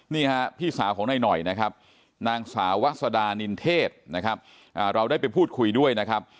นี่พี่สาวของนายหน่อยนางสาววัศดานินเทศเราได้ไปพูดคุยด้วย